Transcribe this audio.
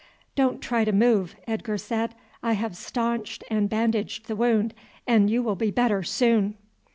"Don't try to move," Edgar said. "I have staunched and bandaged the wound, and you will be better soon."